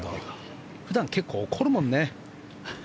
普段、結構怒るもんね。